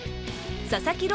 佐々木朗